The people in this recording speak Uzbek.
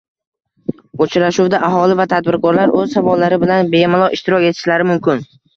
Uchrashuvda aholi va tadbirkorlar o'z savollari bilan bemalol ishtirok etishlari mumkin.